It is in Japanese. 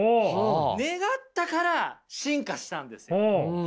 願ったから進化したんですよ。